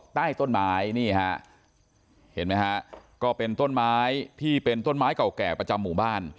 ใต้ต้นไม้นี่ฮะเห็นไหมฮะก็เป็นต้นไม้ที่เป็นต้นไม้เก่าแก่ประจำหมู่บ้าน